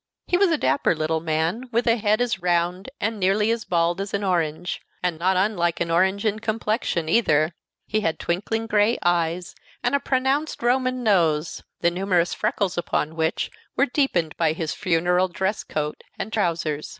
He was a dapper little man, with a head as round and nearly as bald as an orange, and not unlike an orange in complexion, either; he had twinkling gray eyes and a pronounced Roman nose, the numerous freckles upon which were deepened by his funereal dress coat and trousers.